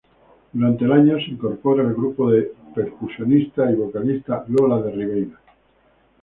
Durante el año, se incorpora el grupo la percusionista y vocalista Lola de Ribeira.